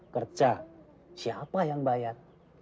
kerja siapa yang bayar